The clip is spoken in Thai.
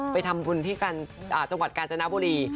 ไปทำบุญที่จังหวัดกาญจนบุรี